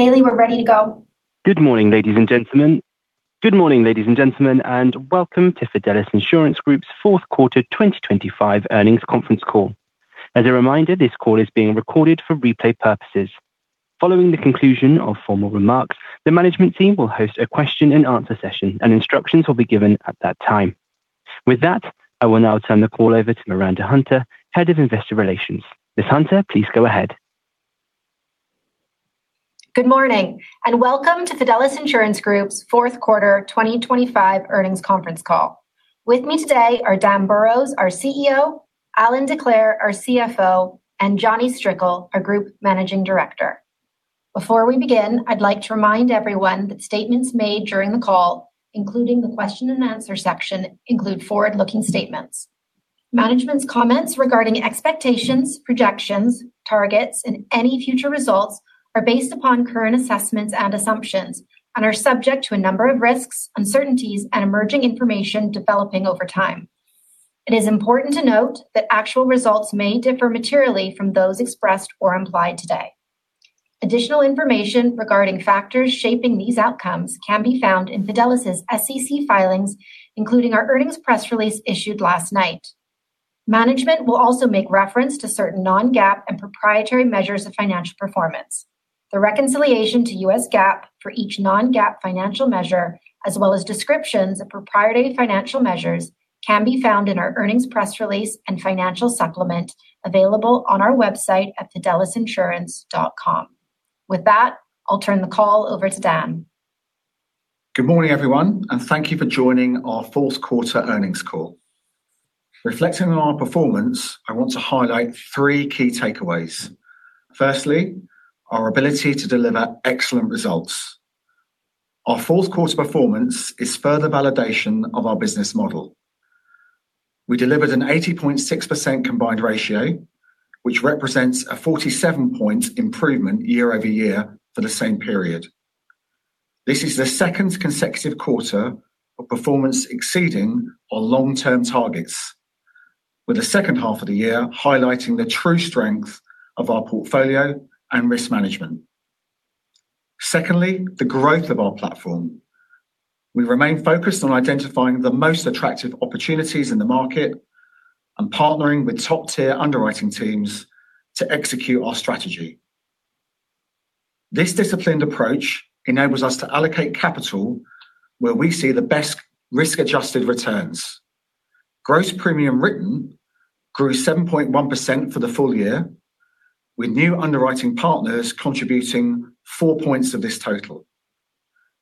Bailey, we're ready to go. Good morning, ladies and gentlemen, and welcome to Fidelis Insurance Group's fourth quarter 2025 earnings conference call. As a reminder, this call is being recorded for replay purposes. Following the conclusion of formal remarks, the management team will host a question and answer session, and instructions will be given at that time. With that, I will now turn the call over to Miranda Hunter, Head of Investor Relations. Ms. Hunter, please go ahead. Good morning, welcome to Fidelis Insurance Group's fourth quarter 2025 earnings conference call. With me today are Dan Burrows, our CEO, Allan Decleir, our CFO, and Jonny Strickle, our Group Managing Director. Before we begin, I'd like to remind everyone that statements made during the call, including the question and answer section, include forward-looking statements. Management's comments regarding expectations, projections, targets, and any future results are based upon current assessments and assumptions and are subject to a number of risks, uncertainties, and emerging information developing over time. It is important to note that actual results may differ materially from those expressed or implied today. Additional information regarding factors shaping these outcomes can be found in Fidelis' SEC filings, including our earnings press release issued last night. Management will also make reference to certain non-GAAP and proprietary measures of financial performance. The reconciliation to US GAAP for each non-GAAP financial measure, as well as descriptions of proprietary financial measures, can be found in our earnings press release and financial supplement, available on our website at fidelisinsurance.com. With that, I'll turn the call over to Dan. Good morning, everyone, and thank you for joining our fourth quarter earnings call. Reflecting on our performance, I want to highlight three key takeaways. Firstly, our ability to deliver excellent results. Our fourth quarter performance is further validation of our business model. We delivered an 80.6% combined ratio, which represents a 47 point improvement year-over-year for the same period. This is the second consecutive quarter of performance exceeding our long-term targets, with the second half of the year highlighting the true strength of our portfolio and risk management. Secondly, the growth of our platform. We remain focused on identifying the most attractive opportunities in the market and partnering with top-tier underwriting teams to execute our strategy. This disciplined approach enables us to allocate capital where we see the best risk-adjusted returns. Gross premium written grew 7.1% for the full year, with new underwriting partners contributing 4 points to this total.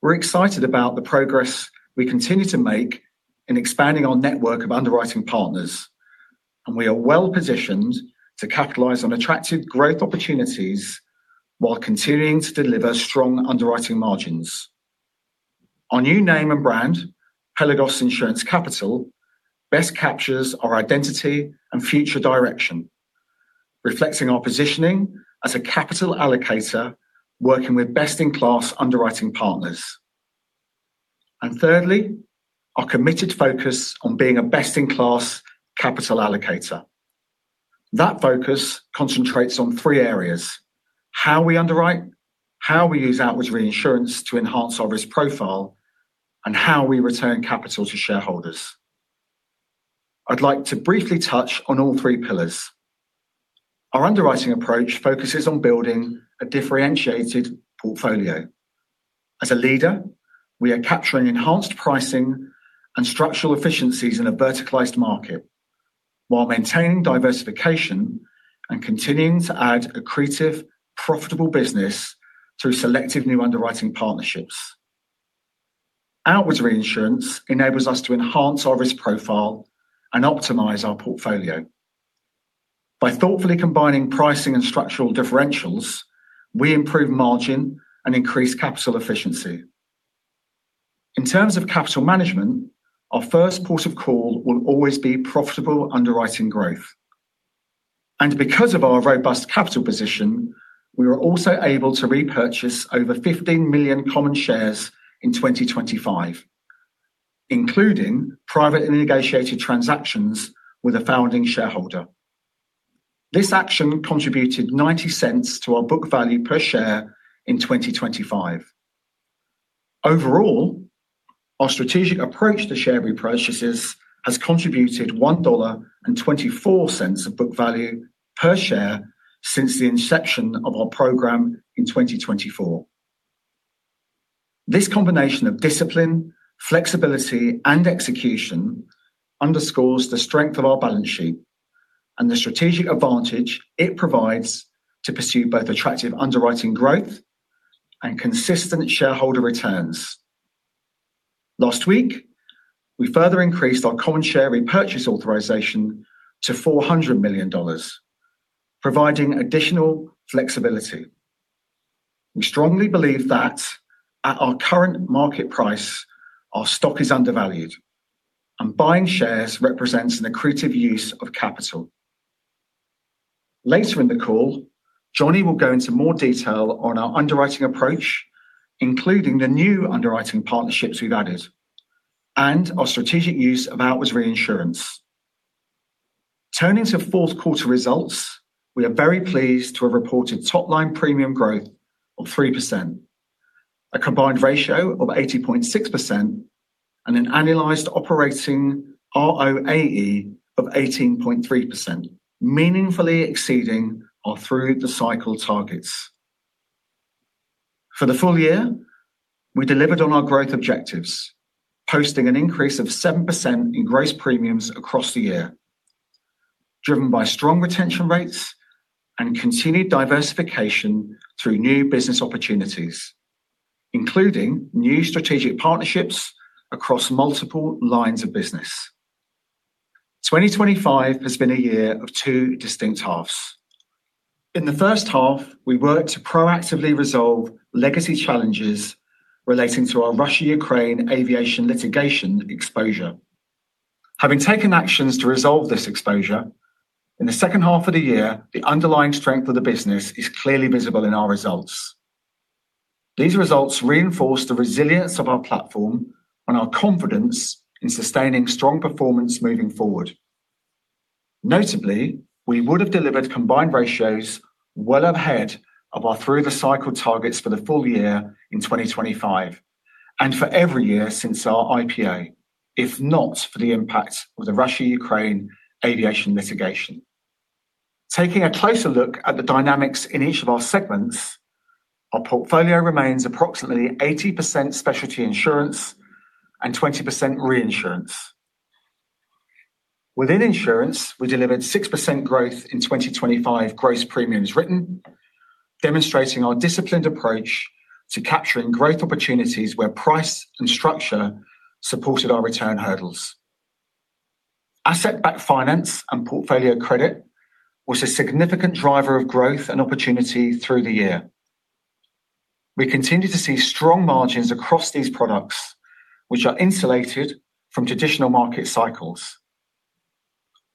We're excited about the progress we continue to make in expanding our network of underwriting partners, and we are well positioned to capitalize on attractive growth opportunities while continuing to deliver strong underwriting margins. Our new name and brand, Pelagos Insurance Capital, best captures our identity and future direction, reflecting our positioning as a capital allocator, working with best-in-class underwriting partners. Thirdly, our committed focus on being a best-in-class capital allocator. That focus concentrates on three areas: how we underwrite, how we use outward reinsurance to enhance our risk profile, and how we return capital to shareholders. I'd like to briefly touch on all three pillars. Our underwriting approach focuses on building a differentiated portfolio. As a leader, we are capturing enhanced pricing and structural efficiencies in a verticalized market, while maintaining diversification and continuing to add accretive, profitable business through selective new underwriting partnerships. Outwards reinsurance enables us to enhance our risk profile and optimize our portfolio. By thoughtfully combining pricing and structural differentials, we improve margin and increase capital efficiency. In terms of capital management, our first port of call will always be profitable underwriting growth. Because of our robust capital position, we were also able to repurchase over 15 million common shares in 2025, including private and negotiated transactions with a founding shareholder. This action contributed $0.90 to our book value per share in 2025. Overall, our strategic approach to share repurchases has contributed $1.24 of book value per share since the inception of our program in 2024. This combination of discipline, flexibility, and execution underscores the strength of our balance sheet and the strategic advantage it provides to pursue both attractive underwriting growth and consistent shareholder returns. Last week, we further increased our common share repurchase authorization to $400 million, providing additional flexibility. We strongly believe that at our current market price, our stock is undervalued, and buying shares represents an accretive use of capital. Later in the call, Jonny will go into more detail on our underwriting approach, including the new underwriting partnerships we've added and our strategic use of outwards reinsurance. We are very pleased to have reported top-line premium growth of 3%, a combined ratio of 80.6%, and an annualized operating ROAE of 18.3%, meaningfully exceeding our through-the-cycle targets. For the full year, we delivered on our growth objectives, posting an increase of 7% in gross premiums across the year, driven by strong retention rates and continued diversification through new business opportunities, including new strategic partnerships across multiple lines of business. 2025 has been a year of two distinct halves. In the first half, we worked to proactively resolve legacy challenges relating to our Russia-Ukraine aviation litigation exposure. Having taken actions to resolve this exposure, in the second half of the year, the underlying strength of the business is clearly visible in our results. These results reinforce the resilience of our platform and our confidence in sustaining strong performance moving forward. Notably, we would have delivered combined ratios well ahead of our through-the-cycle targets for the full year in 2025, and for every year since our IPO, if not for the impact of the Russia-Ukraine aviation litigation. Taking a closer look at the dynamics in each of our segments, our portfolio remains approximately 80% specialty insurance and 20% reinsurance. Within insurance, we delivered 6% growth in 2025 gross premiums written, demonstrating our disciplined approach to capturing growth opportunities where price and structure supported our return hurdles. Asset-backed finance and portfolio credit was a significant driver of growth and opportunity through the year. We continued to see strong margins across these products, which are insulated from traditional market cycles.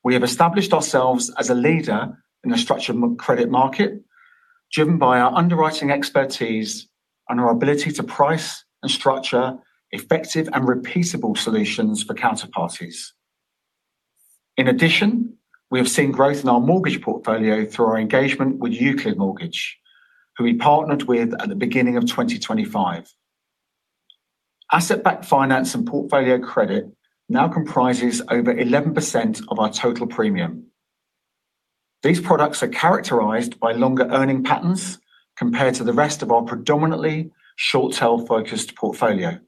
We have established ourselves as a leader in the structured credit market, driven by our underwriting expertise and our ability to price and structure effective and repeatable solutions for counterparties. In addition, we have seen growth in our mortgage portfolio through our engagement with Euclid Mortgage, who we partnered with at the beginning of 2025. Asset-backed finance and portfolio credit now comprises over 11% of our total premium. These products are characterized by longer earning patterns compared to the rest of our predominantly short-tail focused portfolio.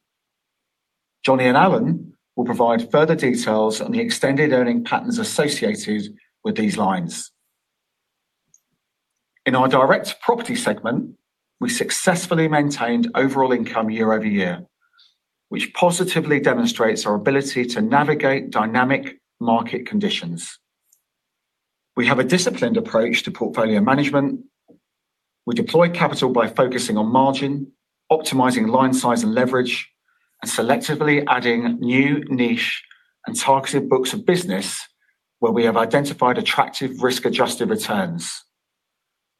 Jonny and Alan will provide further details on the extended earning patterns associated with these lines. In our direct property segment, we successfully maintained overall income year-over-year, which positively demonstrates our ability to navigate dynamic market conditions. We have a disciplined approach to portfolio management. We deploy capital by focusing on margin, optimizing line size and leverage, and selectively adding new niche and targeted books of business where we have identified attractive risk-adjusted returns.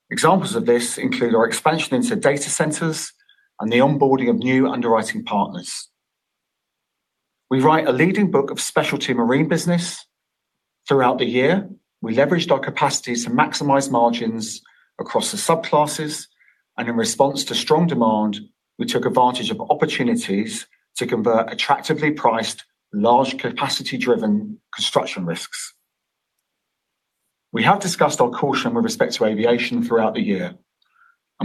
Examples of this include our expansion into data centers and the onboarding of new underwriting partners. We write a leading book of specialty marine business. Throughout the year, we leveraged our capacity to maximize margins across the subclasses. In response to strong demand, we took advantage of opportunities to convert attractively priced, large capacity-driven construction risks. We have discussed our caution with respect to aviation throughout the year.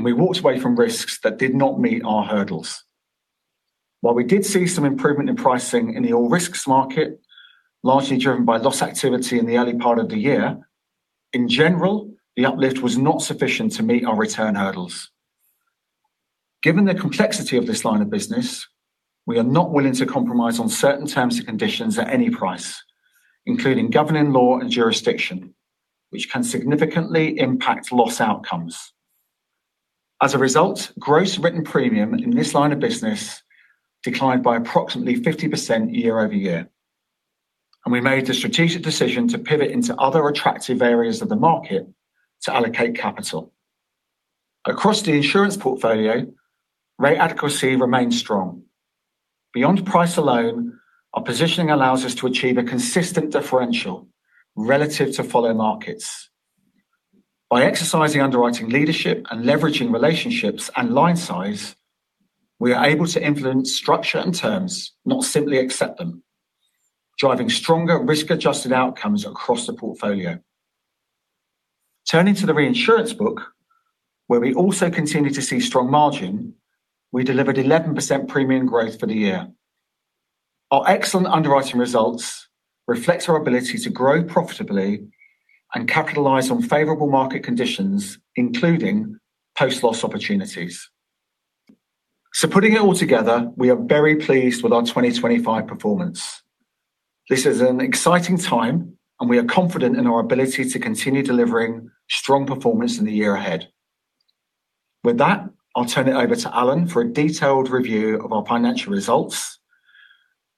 We walked away from risks that did not meet our hurdles. While we did see some improvement in pricing in the all risks market, largely driven by loss activity in the early part of the year, in general, the uplift was not sufficient to meet our return hurdles. Given the complexity of this line of business, we are not willing to compromise on certain terms and conditions at any price, including governing law and jurisdiction, which can significantly impact loss outcomes. As a result, gross written premium in this line of business declined by approximately 50% year-over-year, and we made the strategic decision to pivot into other attractive areas of the market to allocate capital. Across the insurance portfolio, rate adequacy remains strong. Beyond price alone, our positioning allows us to achieve a consistent differential relative to follow markets. By exercising underwriting leadership and leveraging relationships and line size, we are able to influence structure and terms, not simply accept them, driving stronger risk-adjusted outcomes across the portfolio. Turning to the reinsurance book, where we also continue to see strong margin, we delivered 11% premium growth for the year. Our excellent underwriting results reflects our ability to grow profitably and capitalize on favorable market conditions, including post-loss opportunities. Putting it all together, we are very pleased with our 2025 performance. This is an exciting time, and we are confident in our ability to continue delivering strong performance in the year ahead. With that, I'll turn it over to Allan for a detailed review of our financial results.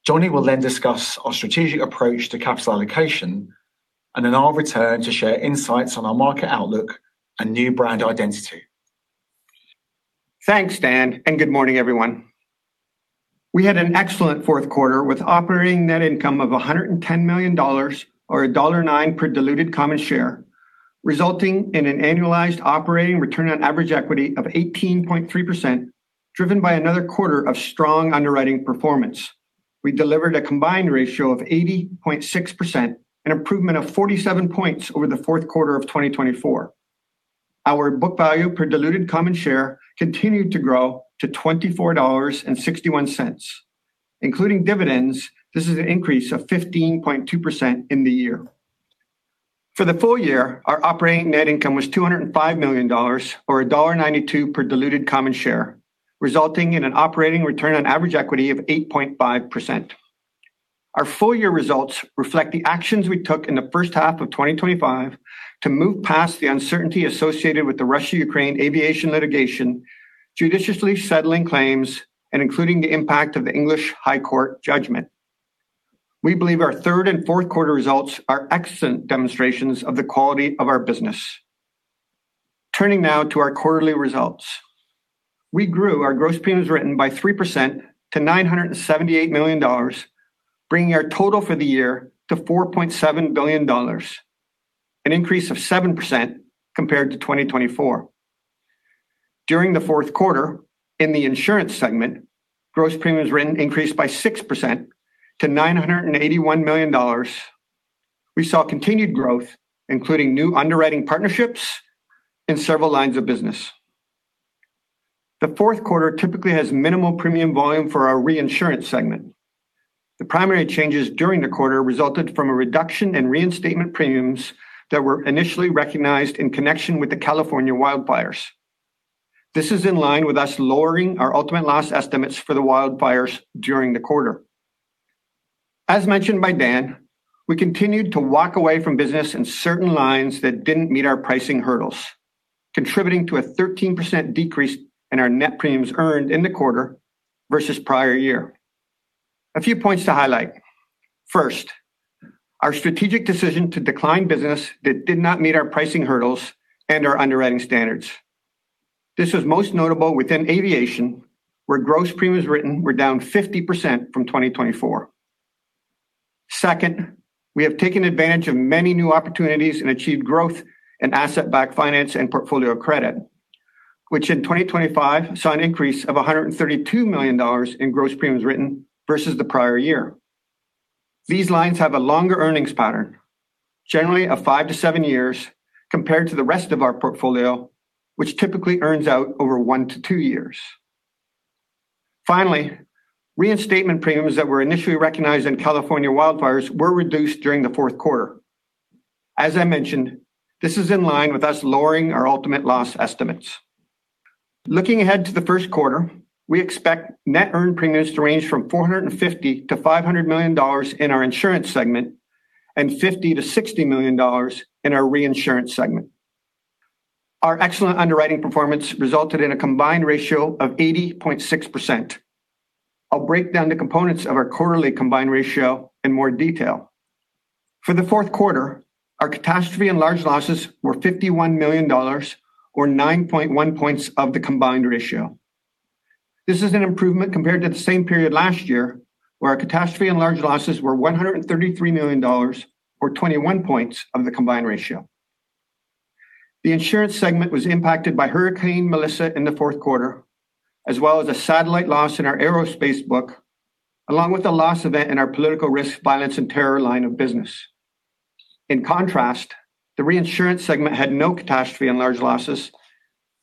Jonny will then discuss our strategic approach to capital allocation, and then I'll return to share insights on our market outlook and new brand identity. Thanks, Dan, good morning, everyone. We had an excellent fourth quarter with operating net income of $110 million or $1.09 per diluted common share, resulting in an annualized operating return on average equity of 18.3%, driven by another quarter of strong underwriting performance. We delivered a combined ratio of 80.6%, an improvement of 47 points over the fourth quarter of 2024. Our book value per diluted common share continued to grow to $24.61. Including dividends, this is an increase of 15.2% in the year. For the full year, our operating net income was $205 million or $1.92 per diluted common share, resulting in an operating return on average equity of 8.5%. Our full year results reflect the actions we took in the first half of 2025 to move past the uncertainty associated with the Russia-Ukraine aviation litigation, judiciously settling claims and including the impact of the English High Court judgment. We believe our third and fourth quarter results are excellent demonstrations of the quality of our business. Turning now to our quarterly results. We grew our gross premiums written by 3% to $978 million, bringing our total for the year to $4.7 billion, an increase of 7% compared to 2024. During the fourth quarter, in the insurance segment, gross premiums written increased by sixth percent to $981 million. We saw continued growth, including new underwriting partnerships in several lines of business. The fourth quarter typically has minimal premium volume for our reinsurance segment. The primary changes during the quarter resulted from a reduction in reinstatement premiums that were initially recognized in connection with the California wildfires. This is in line with us lowering our ultimate loss estimates for the wildfires during the quarter. As mentioned by Dan, we continued to walk away from business in certain lines that didn't meet our pricing hurdles, contributing to a 13% decrease in our net premiums earned in the quarter versus prior year. A few points to highlight. First, our strategic decision to decline business that did not meet our pricing hurdles and our underwriting standards. This was most notable within aviation, where gross premiums written were down 50% from 2024. We have taken advantage of many new opportunities and achieved growth in asset-backed finance and portfolio of credit, which in 2025, saw an increase of $132 million in gross premiums written versus the prior year. These lines have a longer earnings pattern, generally of five-seven years, compared to the rest of our portfolio, which typically earns out over one-two years. Reinstatement premiums that were initially recognized in California wildfires were reduced during the fourth quarter. As I mentioned, this is in line with us lowering our ultimate loss estimates. Looking ahead to the first quarter, we expect net earned premiums to range from $450 million-$500 million in our insurance segment and $50 million-$60 million in our reinsurance segment. Our excellent underwriting performance resulted in a combined ratio of 80.6%. I'll break down the components of our quarterly combined ratio in more detail. For the fourth quarter, our catastrophe and large losses were $51 million or 9.1 points of the combined ratio. This is an improvement compared to the same period last year, where our catastrophe and large losses were $133 million or 21 points of the combined ratio. The insurance segment was impacted by Hurricane Melissa in the fourth quarter, as well as a satellite loss in our aerospace book, along with a loss event in our political risk, violence, and terror line of business. In contrast, the reinsurance segment had no catastrophe and large losses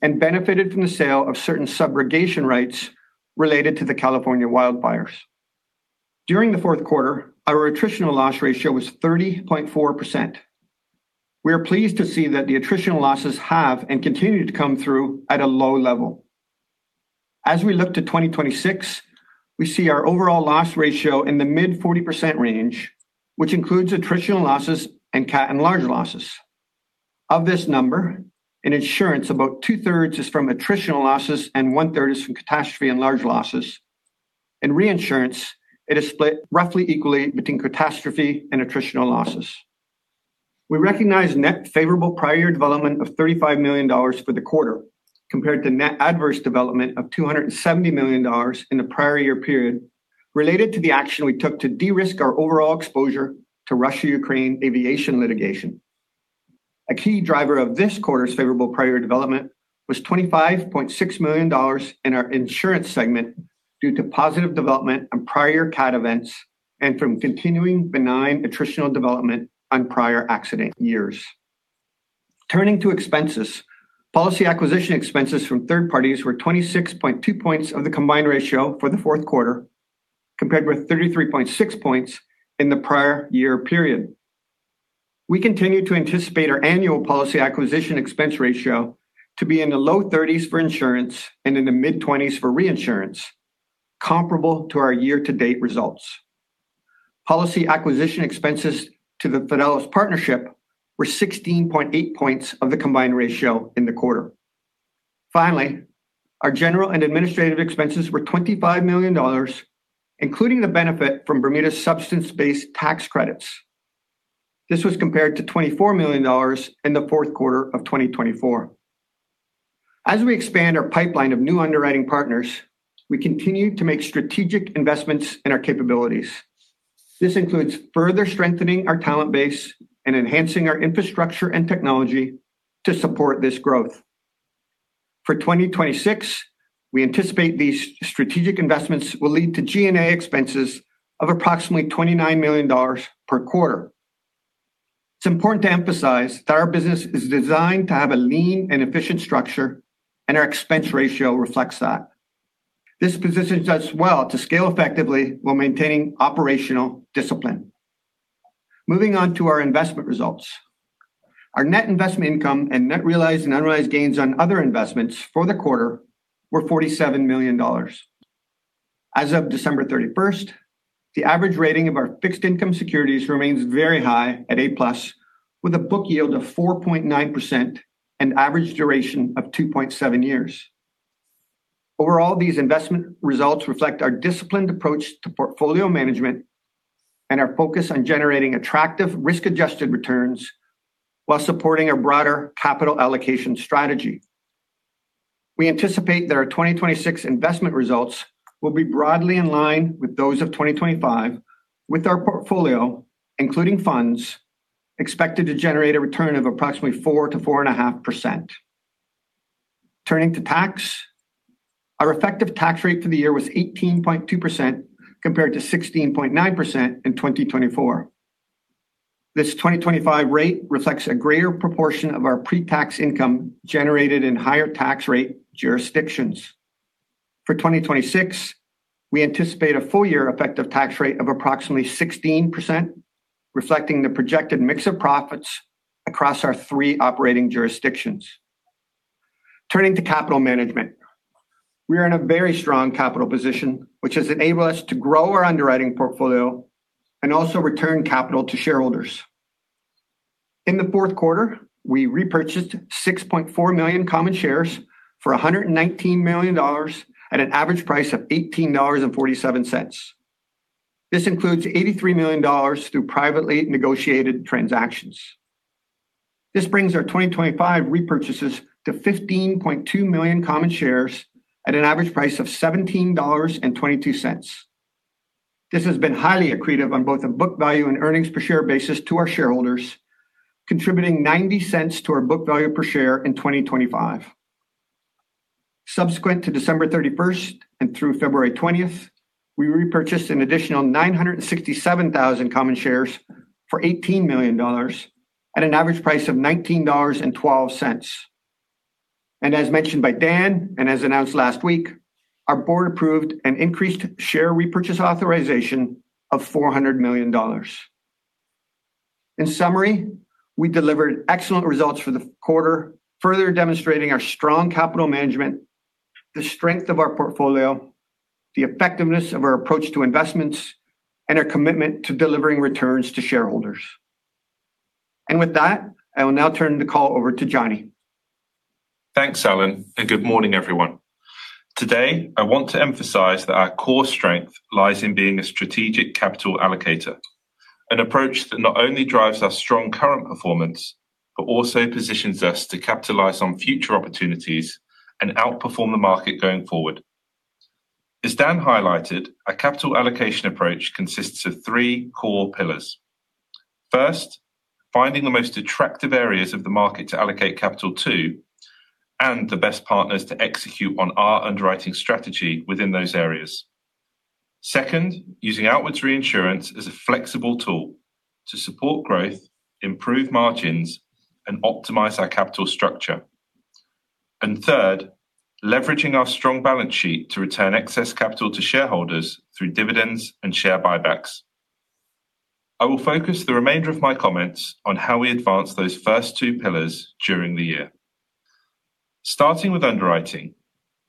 and benefited from the sale of certain subrogation rights related to the California wildfires. During the fourth quarter, our attritional loss ratio was 30.4%. We are pleased to see that the attritional losses have and continue to come through at a low level. As we look to 2026, we see our overall loss ratio in the mid 40% range, which includes attritional losses and cat and large losses. Of this number, in insurance, about 2/3 is from attritional losses and 1/3 is from catastrophe and large losses. In reinsurance, it is split roughly equally between catastrophe and attritional losses. We recognize net favorable prior development of $35 million for the quarter, compared to net adverse development of $270 million in the prior year period, related to the action we took to de-risk our overall exposure to Russia-Ukraine aviation litigation. A key driver of this quarter's favorable prior development was $25.6 million in our insurance segment due to positive development on prior cat events and from continuing benign attritional development on prior accident years. Turning to expenses, policy acquisition expenses from third parties were 26.2 points of the combined ratio for the fourth quarter, compared with 33.6 points in the prior year period. We continue to anticipate our annual policy acquisition expense ratio to be in the low 30s for insurance and in the mid-20s for reinsurance, comparable to our year-to-date results. Policy acquisition expenses to The Fidelis Partnership were 16.8 points of the combined ratio in the quarter. Our general and administrative expenses were $25 million, including the benefit from Bermuda's substance-based tax credits. This was compared to $24 million in the fourth quarter of 2024. As we expand our pipeline of new underwriting partners, we continue to make strategic investments in our capabilities. This includes further strengthening our talent base and enhancing our infrastructure and technology to support this growth. For 2026, we anticipate these strategic investments will lead to G&A expenses of approximately $29 million per quarter. It's important to emphasize that our business is designed to have a lean and efficient structure, and our expense ratio reflects that. This positions us well to scale effectively while maintaining operational discipline. Moving on to our investment results. Our net investment income and net realized and unrealized gains on other investments for the quarter were $47 million. As of December 31st, the average rating of our fixed income securities remains very high at A plus, with a book yield of 4.9% and average duration of 2.7 years. Overall, these investment results reflect our disciplined approach to portfolio management and our focus on generating attractive risk-adjusted returns while supporting a broader capital allocation strategy. We anticipate that our 2026 investment results will be broadly in line with those of 2025, with our portfolio, including funds, expected to generate a return of approximately 4%-4.5%. Turning to tax, our effective tax rate for the year was 18.2%, compared to 16.9% in 2024. This 2025 rate reflects a greater proportion of our pre-tax income generated in higher tax rate jurisdictions. For 2026, we anticipate a full year effective tax rate of approximately 16%, reflecting the projected mix of profits across our three operating jurisdictions. Turning to capital management. We are in a very strong capital position, which has enabled us to grow our underwriting portfolio and also return capital to shareholders. In the fourth quarter, we repurchased 6.4 million common shares for $119 million at an average price of $18.47. This includes $83 million through privately negotiated transactions. This brings our 2025 repurchases to 15.2 million common shares at an average price of $17.22. This has been highly accretive on both a book value and earnings per share basis to our shareholders, contributing $0.90 to our book value per share in 2025. Subsequent to December 31st and through February 20th, we repurchased an additional 967,000 common shares for $18 million at an average price of $19.12. As mentioned by Dan, and as announced last week, our board approved an increased share repurchase authorization of $400 million. In summary, we delivered excellent results for the quarter, further demonstrating our strong capital management, the strength of our portfolio, the effectiveness of our approach to investments, and our commitment to delivering returns to shareholders. With that, I will now turn the call over to Jonny. Thanks, Allan, and good morning, everyone. Today, I want to emphasize that our core strength lies in being a strategic capital allocator, an approach that not only drives our strong current performance, but also positions us to capitalize on future opportunities and outperform the market going forward. As Dan highlighted, our capital allocation approach consists of three core pillars. 1st, finding the most attractive areas of the market to allocate capital to and the best partners to execute on our underwriting strategy within those areas. 2nd, using outwards reinsurance as a flexible tool to support growth, improve margins, and optimize our capital structure. 3rd, leveraging our strong balance sheet to return excess capital to shareholders through dividends and share buybacks. I will focus the remainder of my comments on how we advanced those first two pillars during the year. Starting with underwriting.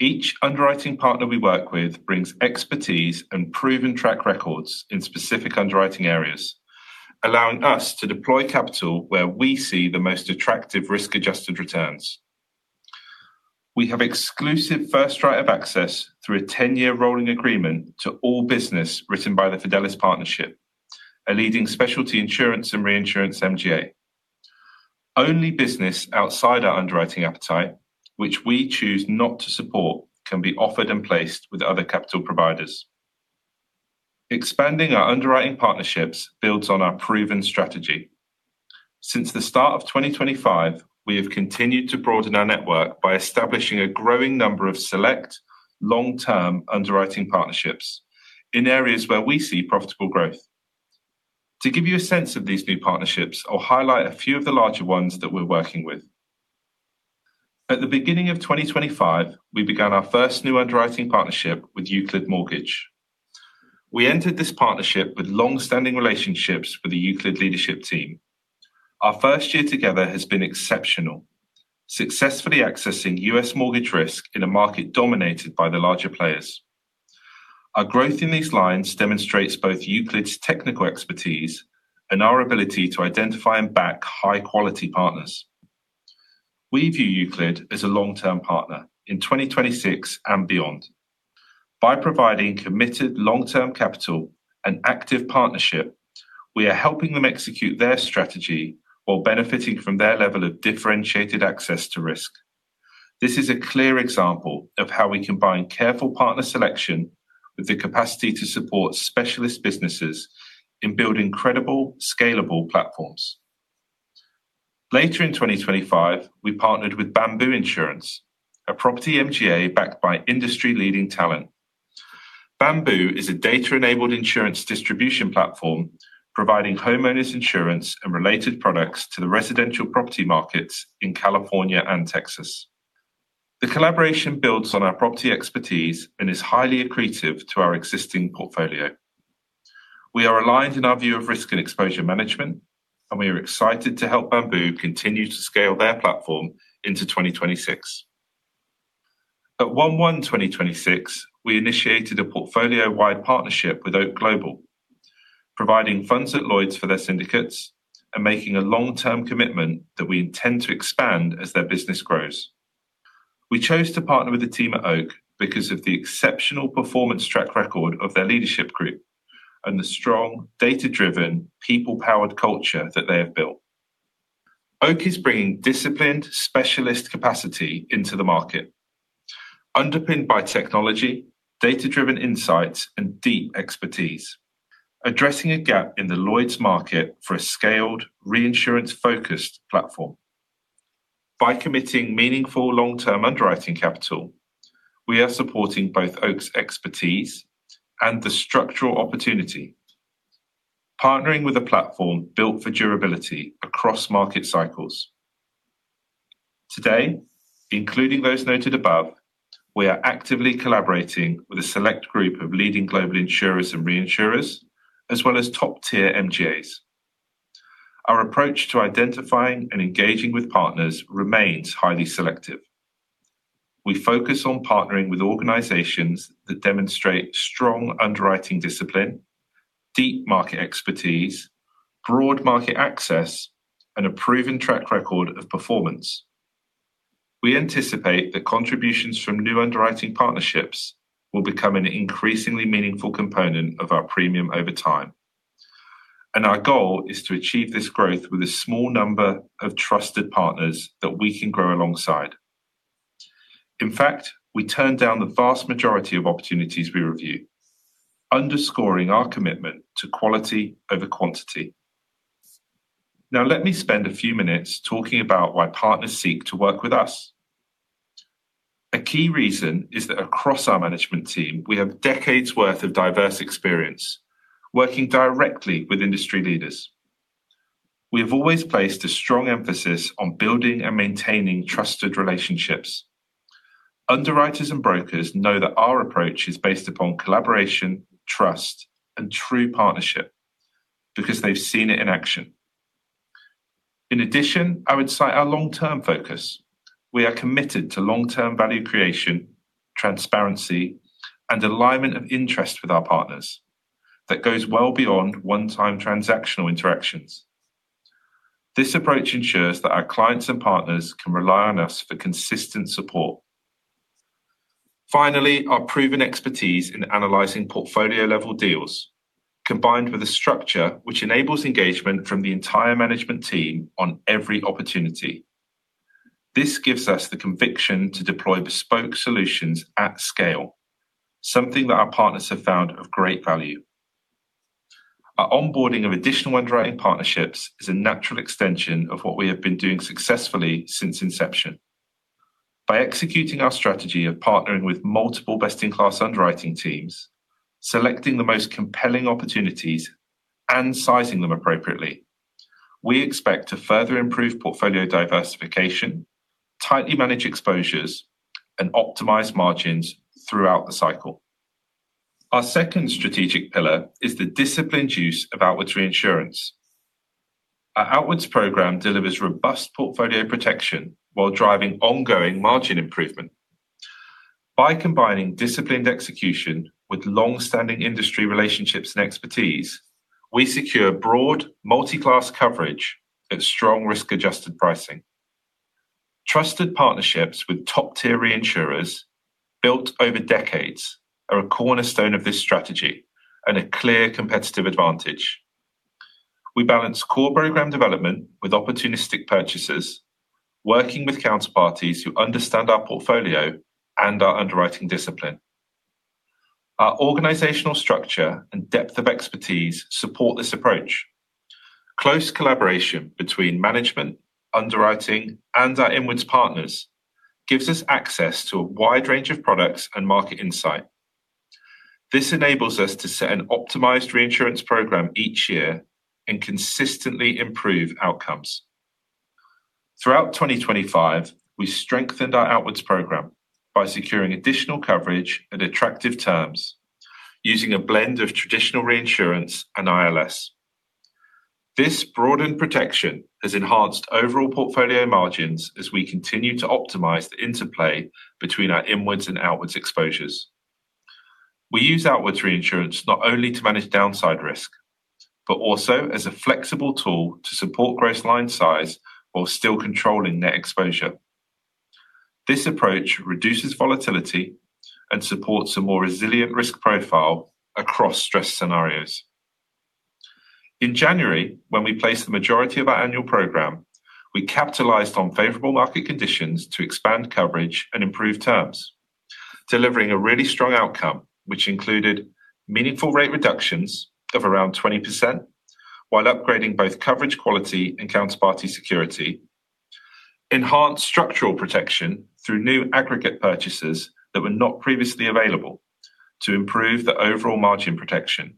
Each underwriting partner we work with brings expertise and proven track records in specific underwriting areas, allowing us to deploy capital where we see the most attractive risk-adjusted returns. We have exclusive first right of access through a 10-year rolling agreement to all business written by The Fidelis Partnership, a leading specialty insurance and reinsurance MGA. Only business outside our underwriting appetite, which we choose not to support, can be offered and placed with other capital providers. Expanding our underwriting partnerships builds on our proven strategy. Since the start of 2025, we have continued to broaden our network by establishing a growing number of select long-term underwriting partnerships in areas where we see profitable growth. To give you a sense of these new partnerships, I'll highlight a few of the larger ones that we're working with. At the beginning of 2025, we began our first new underwriting partnership with Euclid Mortgage. We entered this partnership with long-standing relationships with the Euclid leadership team. Our first year together has been exceptional, successfully accessing U.S. mortgage risk in a market dominated by the larger players. Our growth in these lines demonstrates both Euclid's technical expertise and our ability to identify and back high-quality partners. We view Euclid as a long-term partner in 2026 and beyond. By providing committed long-term capital and active partnership, we are helping them execute their strategy while benefiting from their level of differentiated access to risk. This is a clear example of how we combine careful partner selection with the capacity to support specialist businesses in building credible, scalable platforms. Later in 2025, we partnered with Bamboo Insurance, a property MGA backed by industry-leading talent. Bamboo is a data-enabled insurance distribution platform, providing homeowners insurance and related products to the residential property markets in California and Texas. The collaboration builds on our property expertise and is highly accretive to our existing portfolio. We are aligned in our view of risk and exposure management. We are excited to help Bamboo continue to scale their platform into 2026. At 1/1/2026, we initiated a portfolio-wide partnership with OAK Global, providing funds at Lloyd's for their syndicates and making a long-term commitment that we intend to expand as their business grows. We chose to partner with the team at OAK because of the exceptional performance track record of their leadership group and the strong, data-driven, people-powered culture that they have built. OAK is bringing disciplined specialist capacity into the market, underpinned by technology, data-driven insights, and deep expertise, addressing a gap in the Lloyd's market for a scaled, reinsurance-focused platform. By committing meaningful long-term underwriting capital, we are supporting both OAK's expertise and the structural opportunity, partnering with a platform built for durability across market cycles. Today, including those noted above, we are actively collaborating with a select group of leading global insurers and reinsurers, as well as top-tier MGAs. Our approach to identifying and engaging with partners remains highly selective. We focus on partnering with organizations that demonstrate strong underwriting discipline, deep market expertise, broad market access, and a proven track record of performance. We anticipate that contributions from new underwriting partnerships will become an increasingly meaningful component of our premium over time, and our goal is to achieve this growth with a small number of trusted partners that we can grow alongside. In fact, we turn down the vast majority of opportunities we review, underscoring our commitment to quality over quantity. Let me spend a few minutes talking about why partners seek to work with us. A key reason is that across our management team, we have decades worth of diverse experience working directly with industry leaders. We have always placed a strong emphasis on building and maintaining trusted relationships. Underwriters and brokers know that our approach is based upon collaboration, trust, and true partnership because they've seen it in action. In addition, I would cite our long-term focus. We are committed to long-term value creation, transparency, and alignment of interest with our partners that goes well beyond one-time transactional interactions. This approach ensures that our clients and partners can rely on us for consistent support. Finally, our proven expertise in analyzing portfolio-level deals, combined with a structure which enables engagement from the entire management team on every opportunity. This gives us the conviction to deploy bespoke solutions at scale, something that our partners have found of great value. Our onboarding of additional underwriting partnerships is a natural extension of what we have been doing successfully since inception. By executing our strategy of partnering with multiple best-in-class underwriting teams, selecting the most compelling opportunities and sizing them appropriately, we expect to further improve portfolio diversification, tightly manage exposures, and optimize margins throughout the cycle. Our second strategic pillar is the disciplined use of outward reinsurance. Our outwards program delivers robust portfolio protection while driving ongoing margin improvement. By combining disciplined execution with long-standing industry relationships and expertise, we secure broad multi-class coverage at strong risk-adjusted pricing. Trusted partnerships with top-tier reinsurers built over decades are a cornerstone of this strategy and a clear competitive advantage. We balance core program development with opportunistic purchases, working with counterparties who understand our portfolio and our underwriting discipline. Our organizational structure and depth of expertise support this approach. Close collaboration between management, underwriting, and our inwards partners gives us access to a wide range of products and market insight. This enables us to set an optimized reinsurance program each year and consistently improve outcomes. Throughout 2025, we strengthened our outwards program by securing additional coverage and attractive terms using a blend of traditional reinsurance and ILS. This broadened protection has enhanced overall portfolio margins as we continue to optimize the interplay between our inwards and outwards exposures. We use outward reinsurance not only to manage downside risk, but also as a flexible tool to support gross line size while still controlling net exposure. This approach reduces volatility and supports a more resilient risk profile across stress scenarios. In January, when we placed the majority of our annual program, we capitalized on favorable market conditions to expand coverage and improve terms. Delivering a really strong outcome, which included meaningful rate reductions of around 20%, while upgrading both coverage quality and counterparty security. Enhanced structural protection through new aggregate purchases that were not previously available to improve the overall margin protection.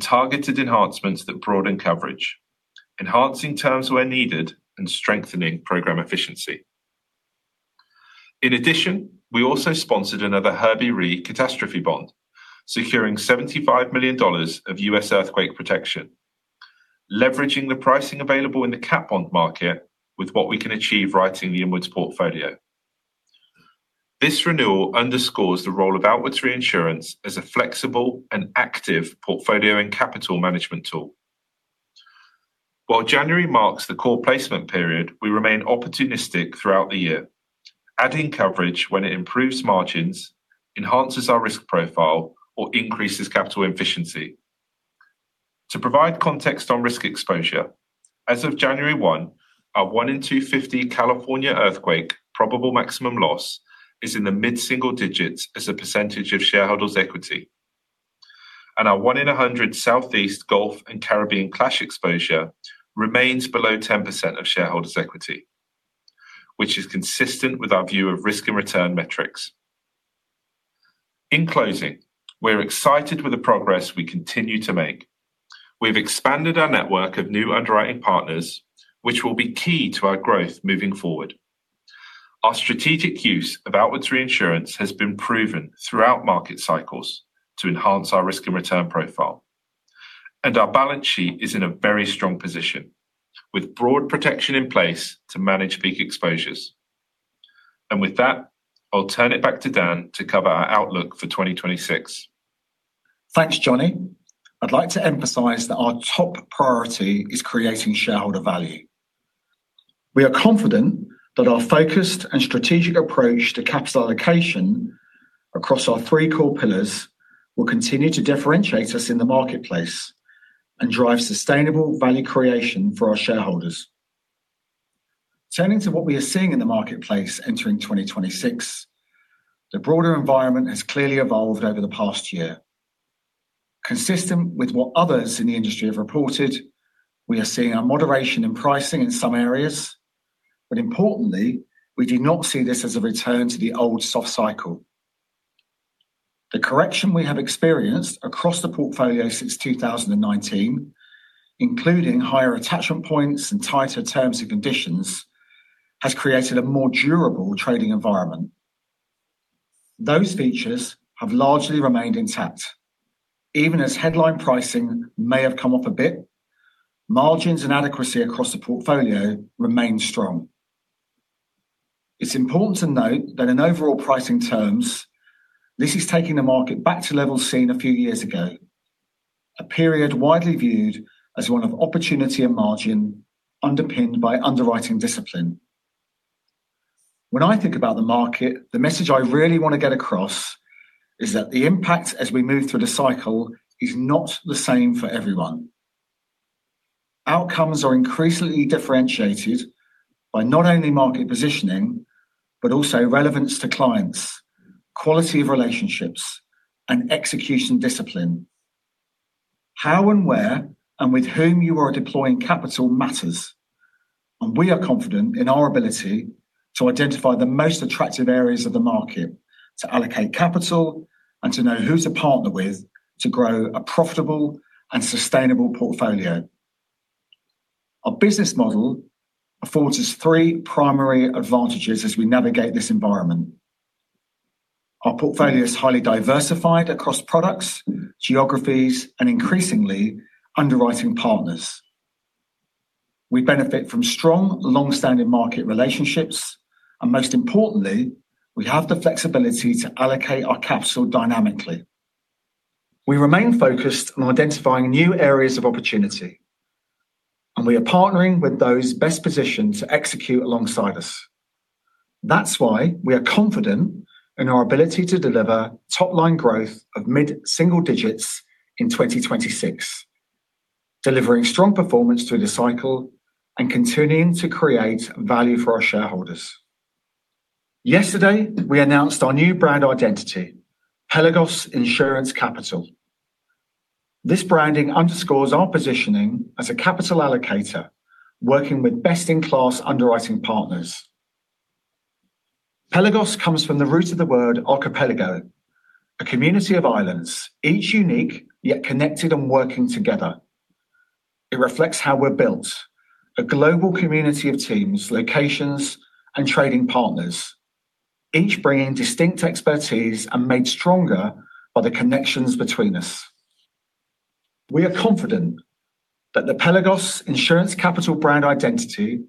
Targeted enhancements that broaden coverage, enhancing terms where needed, and strengthening program efficiency. In addition, we also sponsored another Herbie Re catastrophe bond, securing $75 million of U.S. earthquake protection, leveraging the pricing available in the cat bond market with what we can achieve writing the inwards portfolio. This renewal underscores the role of outward reinsurance as a flexible and active portfolio and capital management tool. While January marks the core placement period, we remain opportunistic throughout the year, adding coverage when it improves margins, enhances our risk profile, or increases capital efficiency. To provide context on risk exposure, as of January 1, our one in 250 California earthquake probable maximum loss is in the mid-single digits as a percentage of shareholders' equity. Our one in 100 Southeast Gulf and Caribbean clash exposure remains below 10% of shareholders' equity, which is consistent with our view of risk and return metrics. In closing, we're excited with the progress we continue to make. We've expanded our network of new underwriting partners, which will be key to our growth moving forward. Our strategic use of outward reinsurance has been proven throughout market cycles to enhance our risk and return profile. Our balance sheet is in a very strong position, with broad protection in place to manage peak exposures. With that, I'll turn it back to Dan to cover our outlook for 2026. Thanks, Jonny. I'd like to emphasize that our top priority is creating shareholder value. We are confident that our focused and strategic approach to capital allocation across our three core pillars will continue to differentiate us in the marketplace and drive sustainable value creation for our shareholders. Turning to what we are seeing in the marketplace entering 2026, the broader environment has clearly evolved over the past year. Consistent with what others in the industry have reported, we are seeing a moderation in pricing in some areas, but importantly, we do not see this as a return to the old soft cycle. The correction we have experienced across the portfolio since 2019, including higher attachment points and tighter terms and conditions, has created a more durable trading environment. Those features have largely remained intact. Even as headline pricing may have come off a bit, margins and adequacy across the portfolio remain strong. It's important to note that in overall pricing terms, this is taking the market back to levels seen a few years ago, a period widely viewed as one of opportunity and margin, underpinned by underwriting discipline. When I think about the market, the message I really want to get across is that the impact as we move through the cycle is not the same for everyone. Outcomes are increasingly differentiated by not only market positioning, but also relevance to clients, quality of relationships, and execution discipline. How and where and with whom you are deploying capital matters, and we are confident in our ability to identify the most attractive areas of the market, to allocate capital, and to know who to partner with, to grow a profitable and sustainable portfolio. Our business model affords us three primary advantages as we navigate this environment. Our portfolio is highly diversified across products, geographies, and increasingly, underwriting partners. We benefit from strong, long-standing market relationships, and most importantly, we have the flexibility to allocate our capital dynamically. We remain focused on identifying new areas of opportunity, and we are partnering with those best positioned to execute alongside us. That's why we are confident in our ability to deliver top-line growth of mid-single digits in 2026, delivering strong performance through the cycle and continuing to create value for our shareholders. Yesterday, we announced our new brand identity, Pelagos Insurance Capital. This branding underscores our positioning as a capital allocator, working with best-in-class underwriting partners. Pelagos comes from the root of the word archipelago, a community of islands, each unique, yet connected and working together. It reflects how we're built, a global community of teams, locations, and trading partners, each bringing distinct expertise and made stronger by the connections between us. We are confident that the Pelagos Insurance Capital brand identity,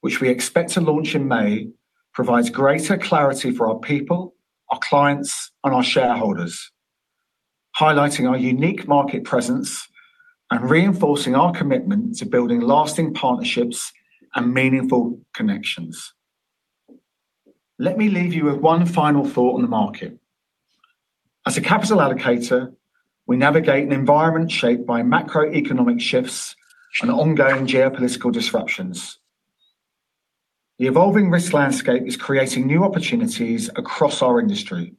which we expect to launch in May, provides greater clarity for our people, our clients, and our shareholders, highlighting our unique market presence and reinforcing our commitment to building lasting partnerships and meaningful connections. Let me leave you with one final thought on the market. As a capital allocator, we navigate an environment shaped by macroeconomic shifts and ongoing geopolitical disruptions. The evolving risk landscape is creating new opportunities across our industry.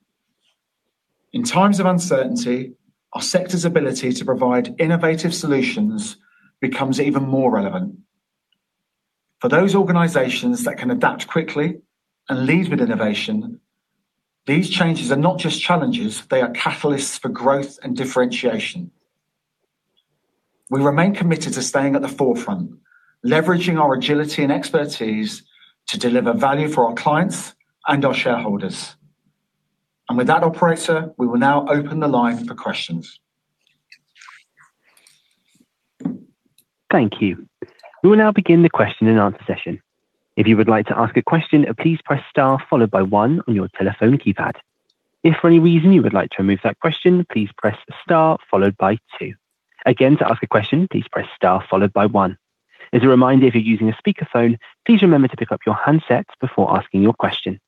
In times of uncertainty, our sector's ability to provide innovative solutions becomes even more relevant. For those organizations that can adapt quickly and lead with innovation, these changes are not just challenges, they are catalysts for growth and differentiation. We remain committed to staying at the forefront, leveraging our agility and expertise to deliver value for our clients and our shareholders. With that, operator, we will now open the line for questions. Thank you. We will now begin the question and answer session. If you would like to ask a question, please press star followed by one on your telephone keypad. If for any reason you would like to remove that question, please press star followed by two. Again, to ask a question, please press star followed by one. As a reminder, if you're using a speakerphone, please remember to pick up your handsets before asking your question.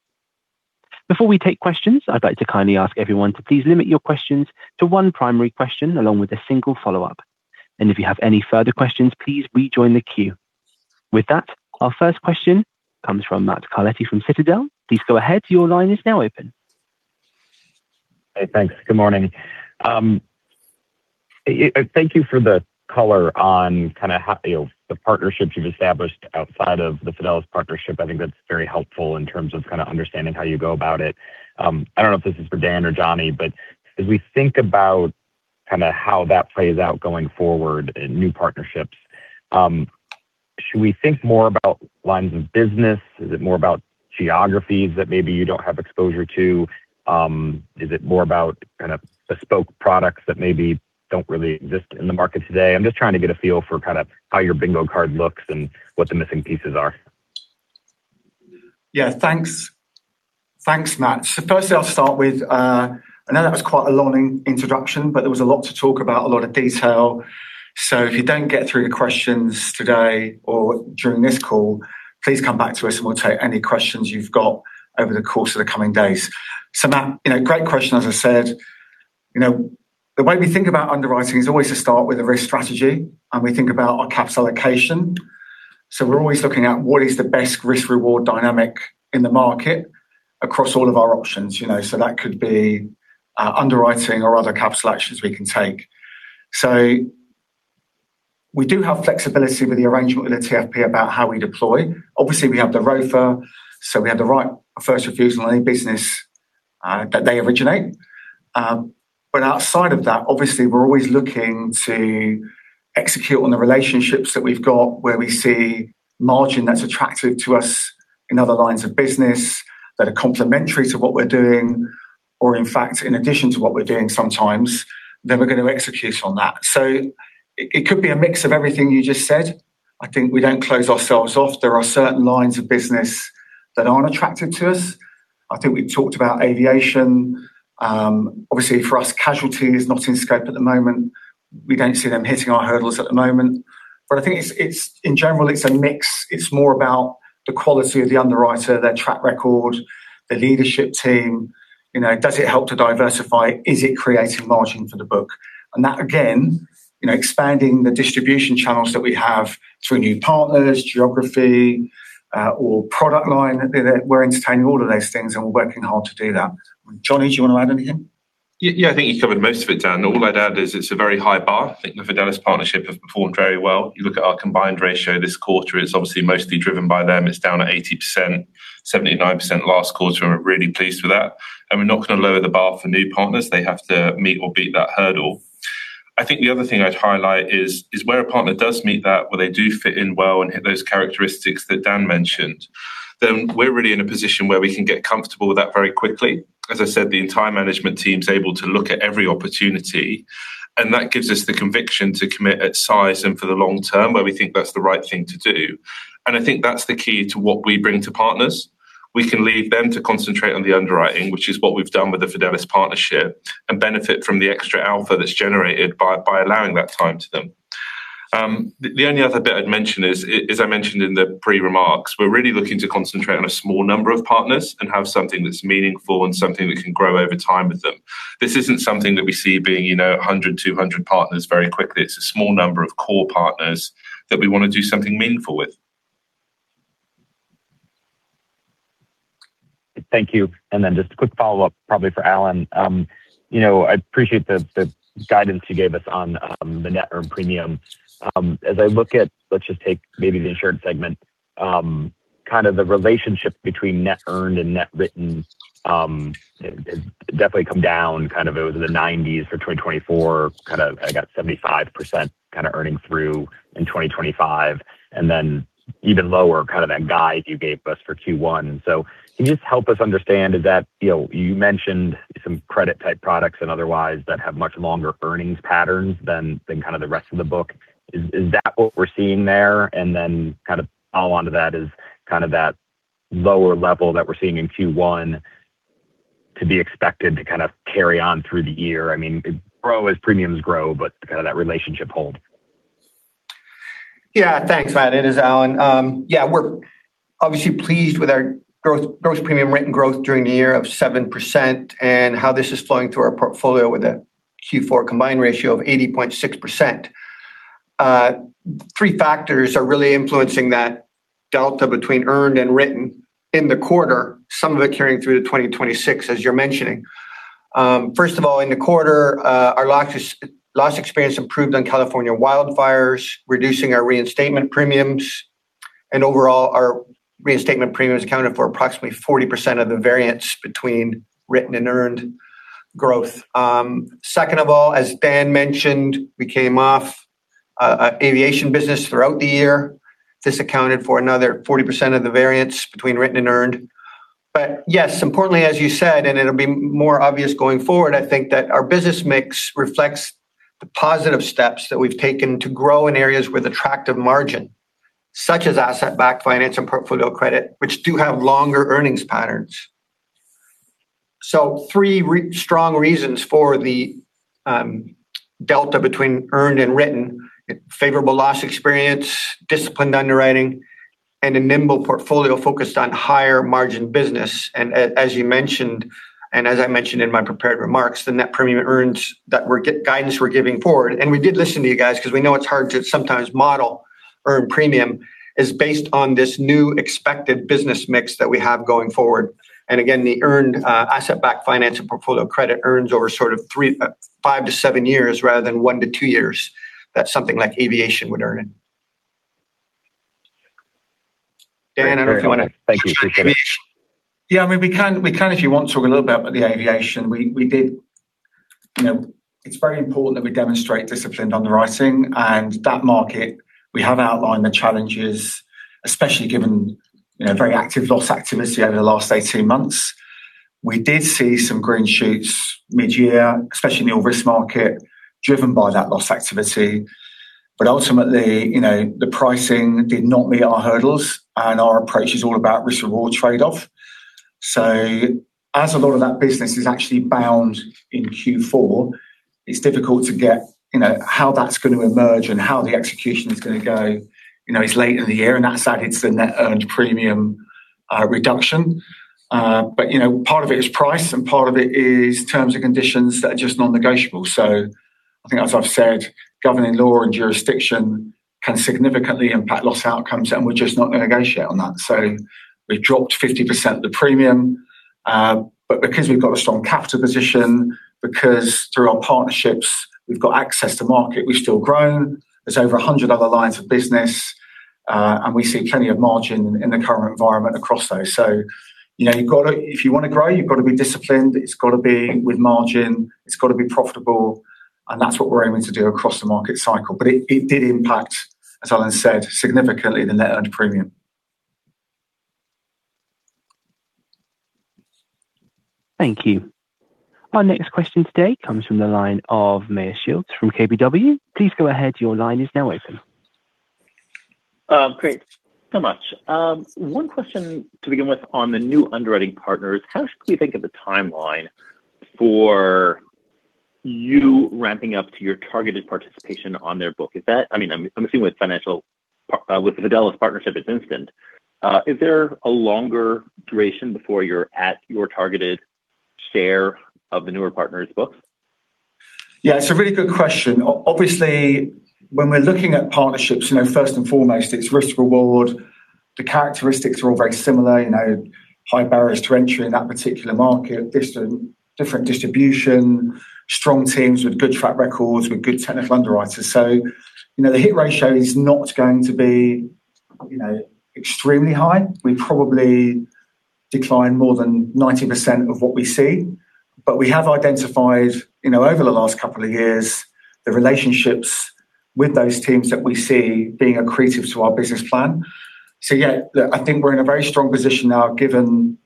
Before we take questions, I'd like to kindly ask everyone to please limit your questions to one primary question along with a single follow-up. If you have any further questions, please rejoin the queue. With that, our first question comes from Matt Carletti from Citizens JMP. Please go ahead. Your line is now open. Hey, thanks. Good morning. Thank you for the color on kind of how, you know, the partnerships you've established outside of the Fidelis Partnership. I think that's very helpful in terms of kind of understanding how you go about it. I don't know if this is for Dan or Jonny. As we think about kinda how that plays out going forward in new partnerships, should we think more about lines of business? Is it more about geographies that maybe you don't have exposure to? Is it more about kind of bespoke products that maybe don't really exist in the market today? I'm just trying to get a feel for kind of how your bingo card looks and what the missing pieces are. Yeah, thanks. Thanks, Matt. Firstly, I'll start with. I know that was quite a long introduction, but there was a lot to talk about, a lot of detail. If you don't get through your questions today or during this call, please come back to us, and we'll take any questions you've got over the course of the coming days. Matt, you know, great question, as I said. You know, the way we think about underwriting is always to start with a risk strategy, and we think about our capital allocation. We're always looking at what is the best risk-reward dynamic in the market across all of our options, you know. That could be underwriting or other capital actions we can take. We do have flexibility with the arrangement with the TFP about how we deploy. Obviously, we have the ROFA, so we have the right of first refusal on any business that they originate. Outside of that, obviously, we're always looking to execute on the relationships that we've got, where we see margin that's attractive to us in other lines of business that are complementary to what we're doing, or in fact, in addition to what we're doing sometimes, then we're going to execute on that. It could be a mix of everything you just said. I think we don't close ourselves off. There are certain lines of business that aren't attractive to us. I think we've talked about aviation. Obviously, for us, casualty is not in scope at the moment. We don't see them hitting our hurdles at the moment. I think it's in general, it's a mix. It's more about the quality of the underwriter, their track record, the leadership team. You know, does it help to diversify? Is it creating margin for the book? That, again, you know, expanding the distribution channels that we have through new partners, geography, or product line, we're entertaining all of those things, and we're working hard to do that. Jonny, do you want to add anything? Yeah, I think you covered most of it, Dan. All I'd add is it's a very high bar. I think The Fidelis Partnership have performed very well. You look at our combined ratio this quarter, it's obviously mostly driven by them. It's down at 80%, 79% last quarter. We're really pleased with that, and we're not going to lower the bar for new partners. They have to meet or beat that hurdle. I think the other thing I'd highlight is where a partner does meet that, where they do fit in well and hit those characteristics that Dan mentioned, then we're really in a position where we can get comfortable with that very quickly. As I said, the entire management team is able to look at every opportunity, that gives us the conviction to commit at size and for the long term, where we think that's the right thing to do. I think that's the key to what we bring to partners. We can leave them to concentrate on the underwriting, which is what we've done with The Fidelis Partnership, and benefit from the extra alpha that's generated by allowing that time to them. The only other bit I'd mention is, as I mentioned in the pre-remarks, we're really looking to concentrate on a small number of partners and have something that's meaningful and something that can grow over time with them. This isn't something that we see being, you know, 100, 200 partners very quickly. It's a small number of core partners that we want to do something meaningful with. Thank you. Then just a quick follow-up, probably for Allan. You know, I appreciate the guidance you gave us on the net earned premium. As I look at... let's just take maybe the insurance segment, kind of the relationship between net earned and net written, it definitely come down kind of it was in the 90s for 2024, kind of, I got 75% kind of earning through in 2025 and then even lower, kind of, that guide you gave us for Q1. Can you just help us understand, is that, you know, you mentioned some credit type products and otherwise that have much longer earnings patterns than kind of the rest of the book. Is that what we're seeing there? Kind of follow on to that is kind of that lower level that we're seeing in Q1 to be expected to kind of carry on through the year. I mean, it grow as premiums grow, but kind of that relationship hold. Thanks, Matt. It is Allan. We're obviously pleased with our growth, gross premiums written growth during the year of 7% and how this is flowing through our portfolio with a Q4 combined ratio of 80.6%. Three factors are really influencing that delta between earned and written in the quarter, some of it carrying through to 2026, as you're mentioning. First of all, in the quarter, our loss experience improved on California wildfires, reducing our reinstatement premiums, and overall, our reinstatement premiums accounted for approximately 40% of the variance between written and earned growth. Second of all, as Dan mentioned, we came off a aviation business throughout the year. This accounted for another 40% of the variance between written and earned. Yes, importantly, as you said, and it'll be more obvious going forward, I think that our business mix reflects the positive steps that we've taken to grow in areas with attractive margin, such as asset-backed finance and portfolio credit, which do have longer earnings patterns. Three strong reasons for the delta between earned and written, favorable loss experience, disciplined underwriting, and a nimble portfolio focused on higher margin business. As you mentioned, and as I mentioned in my prepared remarks, the net premium earned guidance we're giving forward. We did listen to you guys because we know it's hard to sometimes model earned premium, is based on this new expected business mix that we have going forward. Again, the earned asset-backed finance and portfolio credit earns over sort of three, five-seven years rather than one-two years. That's something like aviation would earn in. Dan, I don't know if you want to... Thank you. Appreciate it. Yeah, I mean, we can if you want to talk a little bit about the aviation. You know, it's very important that we demonstrate disciplined underwriting. That market, we have outlined the challenges, especially given, you know, very active loss activity over the last 18 months. We did see some green shoots mid-year, especially in the all risk market, driven by that loss activity. Ultimately, you know, the pricing did not meet our hurdles. Our approach is all about risk-reward trade-off. As a lot of that business is actually bound in Q4, it's difficult to get, you know, how that's going to emerge and how the execution is going to go. You know, it's late in the year. That's added to the net earned premium reduction. You know, part of it is price, and part of it is terms and conditions that are just non-negotiable. I think, as I've said, governing law and jurisdiction can significantly impact loss outcomes, and we're just not going to negotiate on that. We dropped 50% of the premium because we've got a strong capital position, because through our partnerships, we've got access to market, we've still grown. There's over 100 other lines of business, and we see plenty of margin in the current environment across those. You know, if you want to grow, you've got to be disciplined, it's got to be with margin, it's got to be profitable, and that's what we're aiming to do across the market cycle. It, it did impact, as Allan said, significantly the net earned premium. Thank you. Our next question today comes from the line of Meyer Shields from KBW. Please go ahead. Your line is now open. Great, so much. One question to begin with on the new underwriting partners, how should we think of the timeline for you ramping up to your targeted participation on their book? Is that, I'm assuming with financial, with The Fidelis Partnership, it's instant. Is there a longer duration before you're at your targeted share of the newer partners' books? Yeah, it's a really good question. Obviously, when we're looking at partnerships, you know, first and foremost, it's risk reward. The characteristics are all very similar, you know, high barriers to entry in that particular market, distant different distribution, strong teams with good track records, with good technical underwriters. The hit ratio is not going to be, you know, extremely high. We probably decline more than 90% of what we see, but we have identified, you know, over the last couple of years, the relationships with those teams that we see being accretive to our business plan. Yeah, look, I think we're in a very strong position now, given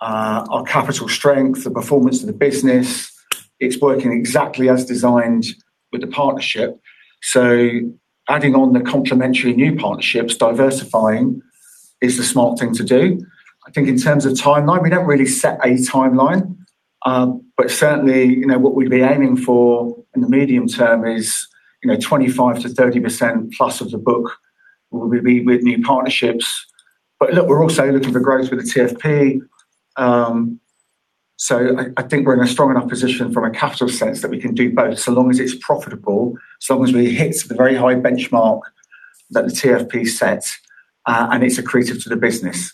our capital strength, the performance of the business. It's working exactly as designed with the partnership. Adding on the complementary new partnerships, diversifying is the smart thing to do. I think in terms of timeline, we don't really set a timeline, certainly, you know, what we'd be aiming for in the medium term is, you know, 25%-30% plus of the book will be with new partnerships. Look, we're also looking for growth with the TFP. I think we're in a strong enough position from a capital sense that we can do both, so long as it's profitable, so long as we hit the very high benchmark that the TFP sets, and it's accretive to the business.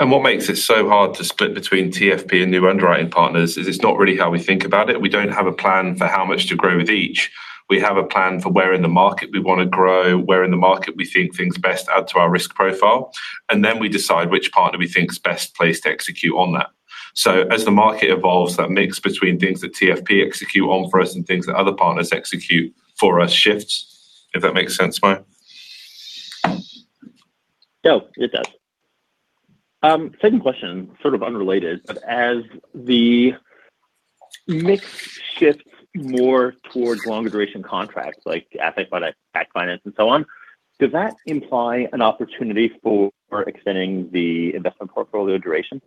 What makes it so hard to split between TFP and new underwriting partners is it's not really how we think about it. We don't have a plan for how much to grow with each. We have a plan for where in the market we want to grow, where in the market we think things best add to our risk profile, and then we decide which partner we think is best placed to execute on that. As the market evolves, that mix between things that TFP execute on for us and things that other partners execute for us shifts, if that makes sense, Meyer? Yeah, it does. Second question, sort of unrelated, but as the mix shifts more towards longer duration contracts like asset finance and so on, does that imply an opportunity for extending the investment portfolio duration?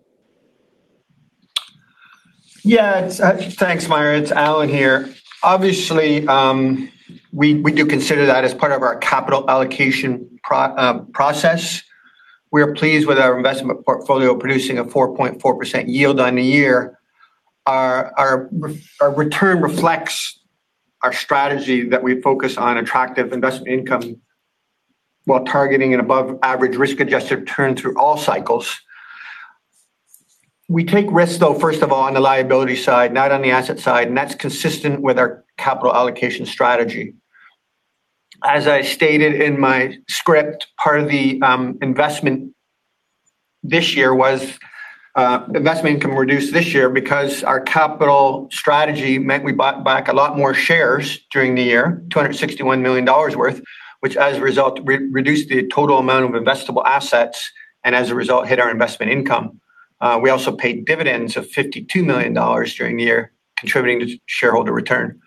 Thanks, Meyer. It's Allan here. Obviously, we do consider that as part of our capital allocation process. We are pleased with our investment portfolio producing a 4.4% yield on the year. Our return reflects our strategy that we focus on attractive investment income, while targeting an above average risk-adjusted return through all cycles. We take risks, though, first of all, on the liability side, not on the asset side, and that's consistent with our capital allocation strategy. As I stated in my script, part of the investment this year was investment income reduced this year because our capital strategy meant we bought back a lot more shares during the year, $261 million worth, which, as a result, reduced the total amount of investable assets and, as a result, hit our investment income. We also paid dividends of $52 million during the year, contributing to shareholder return.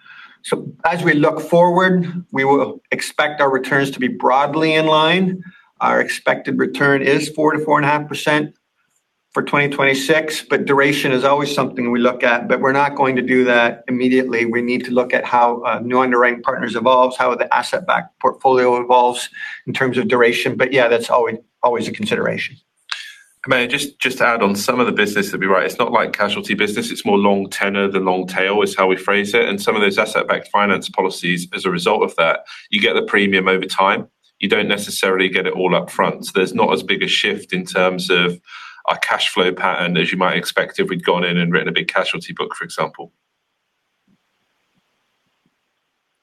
As we look forward, we will expect our returns to be broadly in line. Our expected return is 4%-4.5% for 2026, duration is always something we look at, we're not going to do that immediately. We need to look at how new underwriting partners evolves, how the asset-backed portfolio evolves in terms of duration. Yeah, that's always a consideration. I mean, just to add on some of the business to be right, it's not like casualty business. It's more long tenor than long tail, is how we phrase it, and some of those asset-backed finance policies as a result of that, you get the premium over time. You don't necessarily get it all up front. There's not as big a shift in terms of a cash flow pattern as you might expect if we'd gone in and written a big casualty book, for example.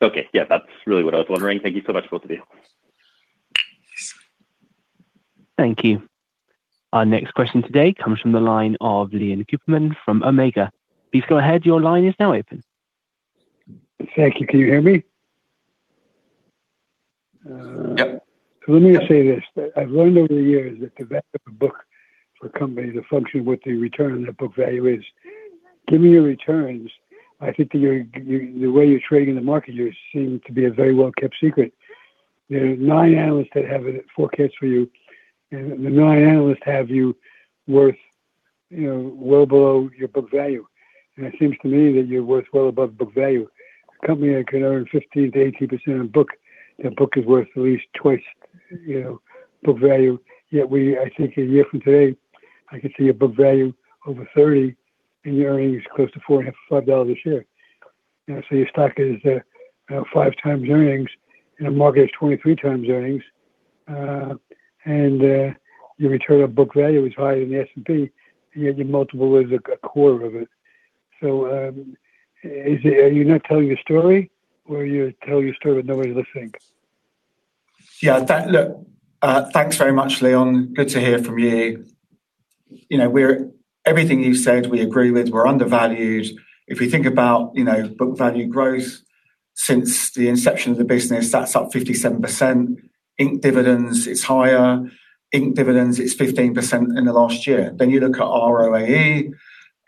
Okay. Yeah, that's really what I was wondering. Thank you so much for both of you. Thank you. Our next question today comes from the line of Leon Cooperman from Omega. Please go ahead. Your line is now open. Thank you. Can you hear me? Yep. Let me just say this, that I've learned over the years that the value of a book for a company is a function of what the return on that book value is. Given your returns, I think that you, the way you're trading in the market, you seem to be a very well-kept secret. There are nine analysts that have forecasts for you, and the nine analysts have you worth, you know, well below your book value, and it seems to me that you're worth well above book value. A company that can earn 15%-18% on book, that book is worth at least twice, you know, book value. Yet I think a year from today, I could see a book value over 30, and your earnings close to four and a half, $5 a share. You know, so your stock is, you know, 5x earnings in a market of 23x earnings, and, your return on book value is higher than the S&P, and yet your multiple is, a quarter of it. Are you not telling your story, or are you telling your story, but nobody's listening? Yeah, that. Look, thanks very much, Leon. Good to hear from you. You know, everything you said, we agree with. We're undervalued. If you think about, you know, book value growth since the inception of the business, that's up 57%. Inc dividends, it's higher. Inc dividends, it's 15% in the last year. You look at ROAE,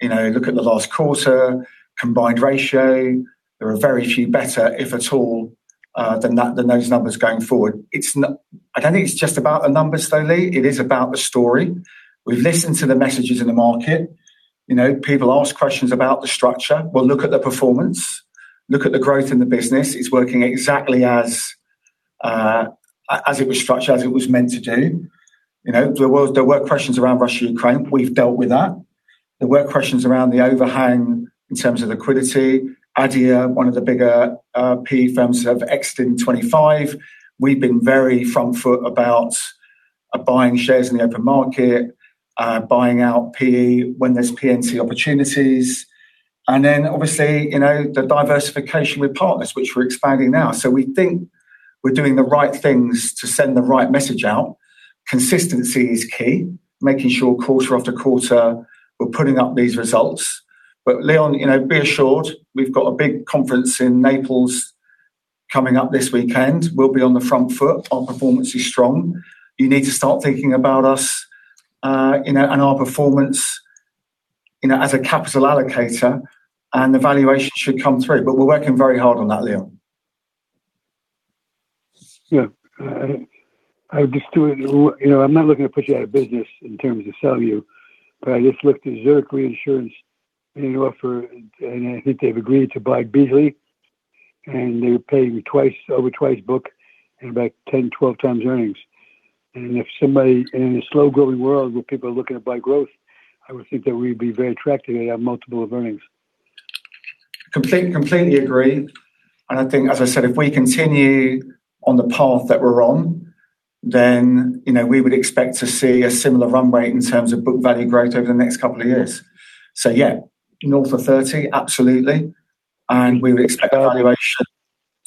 you know, look at the last quarter, combined ratio. There are very few better, if at all, than that, than those numbers going forward. I don't think it's just about the numbers, though, Lee. It is about the story. We've listened to the messages in the market. You know, people ask questions about the structure. Look at the performance, look at the growth in the business. It's working exactly as it was structured, as it was meant to do. There were questions around Russia and Ukraine. We've dealt with that. There were questions around the overhang in terms of liquidity. ADIA, one of the bigger PE firms, to have exited in 25. We've been very front foot about buying shares in the open market, buying out PE when there's P&C opportunities. Obviously, the diversification with partners, which we're expanding now. So we think we're doing the right things to send the right message out. Consistency is key, making sure quarter after quarter, we're putting up these results. Leon, be assured, we've got a big conference in Naples coming up this weekend. We'll be on the front foot. Our performance is strong. You need to start thinking about us, you know, and our performance, you know, as a capital allocator. The valuation should come through. We're working very hard on that, Leon. Yeah. I just do it... You know, I'm not looking to put you out of business in terms of selling you, but I just looked at Zurich Insurance Group made an offer, and I think they've agreed to buy Beazley, and they're paying 2x, over 2x book and about 10-12x earnings. If somebody in a slow-growing world where people are looking to buy growth, I would think that we'd be very attractive. They have multiple of earnings. Completely agree. I think, as I said, if we continue on the path that we're on, then, you know, we would expect to see a similar run rate in terms of book value growth over the next couple of years. Yeah, north of 30, absolutely, and we would expect valuation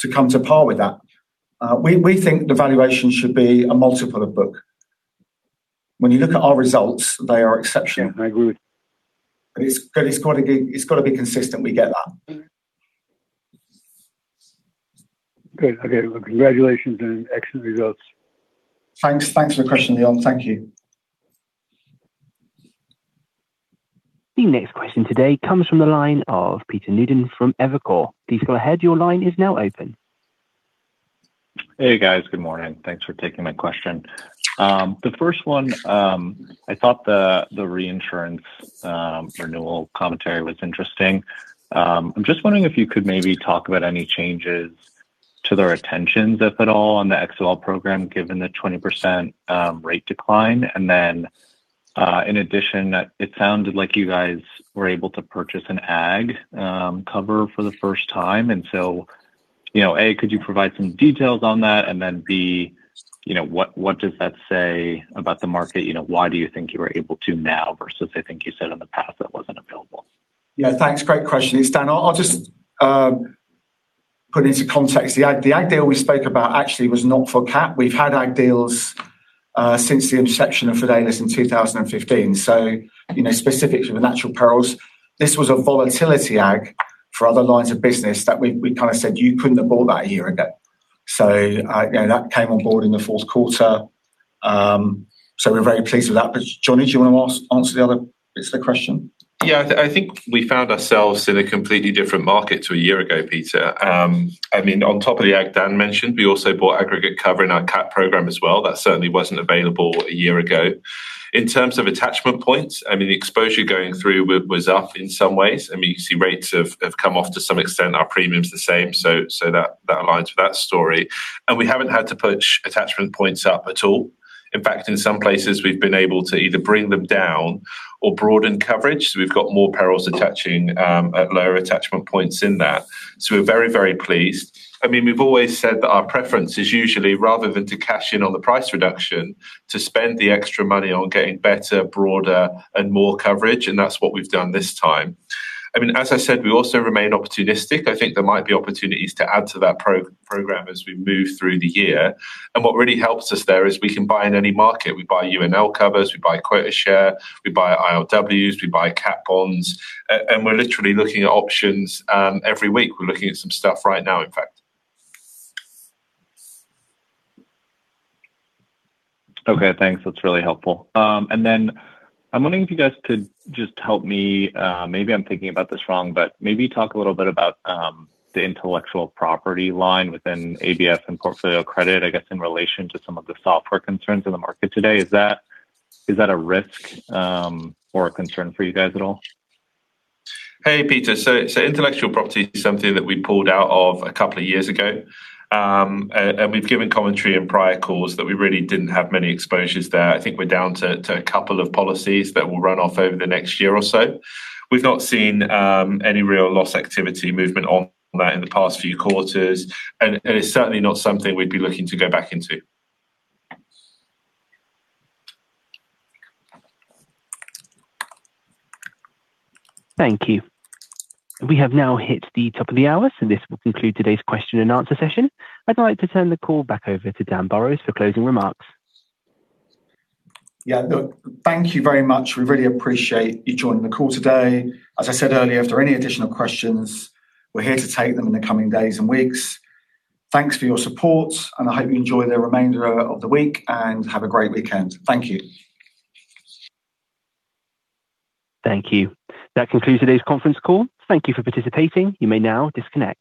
to come to par with that. We think the valuation should be a multiple of book. When you look at our results, they are exceptional. I agree with you. It's gotta be consistent, we get that. Great. Okay, well, congratulations on excellent results. Thanks. Thanks for the question, Leon. Thank you. The next question today comes from the line of Peter Newton from Evercore. Please go ahead. Your line is now open. Hey, guys. Good morning. Thanks for taking my question. The first one, I thought the reinsurance, renewal commentary was interesting. I'm just wondering if you could maybe talk about any changes to the retentions, if at all, on the XOL program, given the 20% rate decline? In addition, that it sounded like you guys were able to purchase an ag, cover for the first time, and so, you know, A, could you provide some details on that? B, you know, what does that say about the market? You know, why do you think you were able to now versus I think you said in the past, that wasn't available? Yeah, thanks. Great question. It's Dan. I'll just put into context. The ag deal we spoke about actually was not for cat. We've had ag deals since the inception of Fidelis in 2015. you know, specifically for the natural perils, this was a volatility ag for other lines of business that we kinda said you couldn't have bought that a year ago. you know, that came on board in the fourth quarter. we're very pleased with that. Jonny, do you wanna answer the other bits of the question? Yeah. I think we found ourselves in a completely different market to a year ago, Peter. I mean, on top of the ag Dan mentioned, we also bought aggregate cover in our cat program as well. That certainly wasn't available a year ago. In terms of attachment points, I mean, the exposure going through was up in some ways. I mean, you see rates have come off to some extent, our premiums the same, so that aligns with that story. We haven't had to push attachment points up at all. In fact, in some places, we've been able to either bring them down or broaden coverage, so we've got more perils attaching at lower attachment points in that. We're very pleased. I mean, we've always said that our preference is usually rather than to cash in on the price reduction, to spend the extra money on getting better, broader, and more coverage, and that's what we've done this time. I mean, as I said, we also remain opportunistic. I think there might be opportunities to add to that program as we move through the year. What really helps us there is we can buy in any market. We buy UNL covers, we buy quota share, we buy ILWs, we buy cat bonds, and we're literally looking at options every week. We're looking at some stuff right now, in fact. Okay, thanks. That's really helpful. I'm wondering if you guys could just help me, maybe I'm thinking about this wrong, but maybe talk a little bit about, the intellectual property line within ABS and portfolio credit, I guess, in relation to some of the software concerns in the market today? Is that a risk, or a concern for you guys at all? Hey, Peter. Intellectual property is something that we pulled out of a couple of years ago. We've given commentary in prior calls that we really didn't have many exposures there. I think we're down to a couple of policies that will run off over the next year or so. We've not seen any real loss activity movement on that in the past few quarters, and it's certainly not something we'd be looking to go back into. Thank you. We have now hit the top of the hour, this will conclude today's question and answer session. I'd like to turn the call back over to Dan Burrows for closing remarks. Thank you very much. We really appreciate you joining the call today. As I said earlier, if there are any additional questions, we're here to take them in the coming days and weeks. Thanks for your support, and I hope you enjoy the remainder of the week, and have a great weekend. Thank you. Thank you. That concludes today's conference call. Thank you for participating. You may now disconnect.